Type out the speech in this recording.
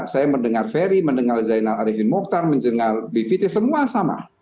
saya mendengar ferry mendengar zainal arifin mokhtar mendengar bivitri semua sama